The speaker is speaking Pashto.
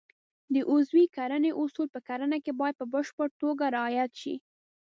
د عضوي کرنې اصول په کرنه کې باید په بشپړه توګه رعایت شي.